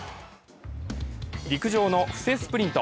陸上の布勢スプリント。